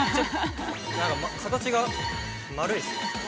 ◆なんか形が丸いですね。